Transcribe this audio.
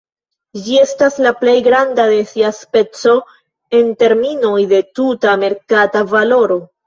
Ĝi estas la plej granda de sia speco en terminoj de tuta merkata valoro.